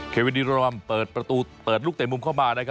เควินดิรัมเปิดประตูเปิดลูกเตะมุมเข้ามานะครับ